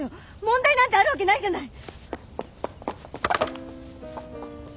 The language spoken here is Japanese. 問題なんてあるわけないじゃない！